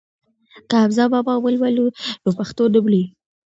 که حمزه بابا ولولو نو پښتو نه مري.